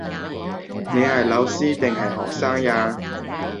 你係老師定係學生呀